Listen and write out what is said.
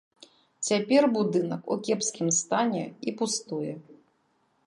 Цяпер будынак у кепскім стане і пустуе.